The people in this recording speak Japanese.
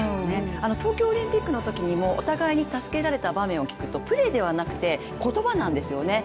東京オリンピックのときにもお互いに助けられた場面を聞くとプレーではなくて、言葉なんですよね。